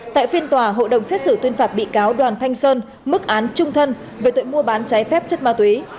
tại phiên tòa hội đồng xét xử tuyên phạt bị cáo đoàn thanh sơn mức án trung thân về tội mua bán trái phép chất ma túy